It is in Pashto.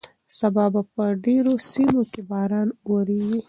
سبا به په ډېرو سیمو کې باران وورېږي.